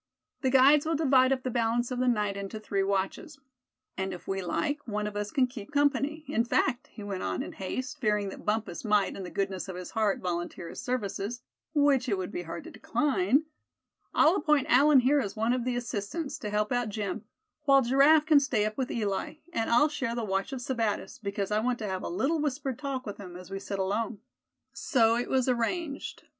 "The guides will divide up the balance of the night into three watches; and if we like, one of us can keep company; in fact," he went on in haste, fearing that Bumpus might, in the goodness of his heart, volunteer his services, which it would be hard to decline, "I'll appoint Allan here as one of the assistants, to help out Jim; while Giraffe can stay up with Eli; and I'll share the watch of Sebattis, because I want to have a little whispered talk with him as we sit alone." So it was arranged.